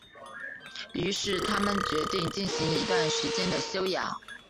于是他们决定进行一段时间的休养。